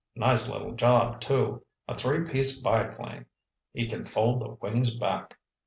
Nice little job, too. A three place biplane—he can fold the wings back.